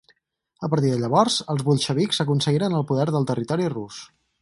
A partir de llavors, els bolxevics aconseguiren el poder del territori rus.